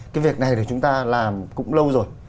cái việc này được chúng ta làm cũng lâu rồi